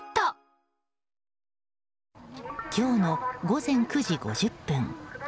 今日の午前９時５０分。